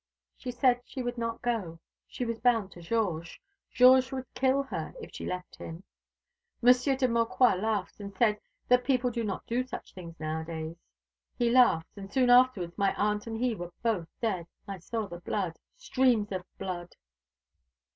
"She said she could not go. She was bound to Georges. Georges would kill her if she left him. Monsieur de Maucroix laughed, and said that people do not do such things nowadays. He laughed and soon afterwards my aunt and he were both dead. I saw the blood streams of blood."